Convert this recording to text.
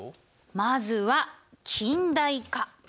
まずは近代化！